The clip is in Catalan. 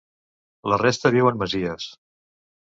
La resta viu en masies.